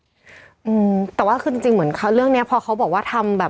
อืมแต่ว่าคือจริงจริงเหมือนเขาเรื่องเนี้ยพอเขาบอกว่าทำแบบ